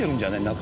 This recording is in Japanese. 中。